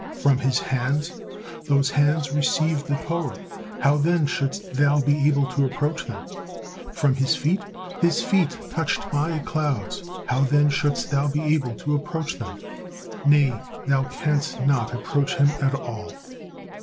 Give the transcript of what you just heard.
From his hands? Those hands received the Torah, how then shouldst thou be able to approach them! From his feet? His feet touched My clouds, how then shouldst thou be able to approach them! Nay, thou canst not approach him at all."